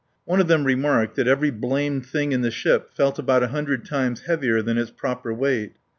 One of them remarked that "every blamed thing in the ship felt about a hundred times heavier than its proper weight."